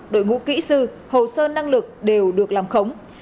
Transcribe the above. đội ngũ kỹ sư hồ sơ năng lực đều được làm khống